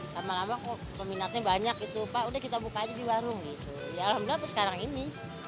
lama lama kok peminatnya banyak itu pak udah kita buka aja di warung gitu ya alhamdulillah sekarang ini